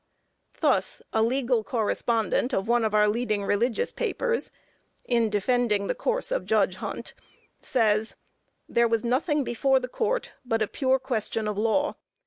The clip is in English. Thus, a legal correspondent of one of our leading religious papers, in defending the course of Judge Hunt, says: "There was nothing before the Court but a pure question of law.